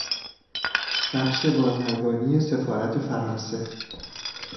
بخش بازرگانی سفارت فرانسه